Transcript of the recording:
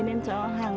nên cho hàng